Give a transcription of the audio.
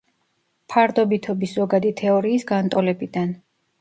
ფარდობითობის ზოგადი თეორიის განტოლებიდან.